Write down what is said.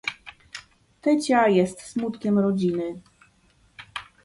"Tecia jest smutkiem rodziny."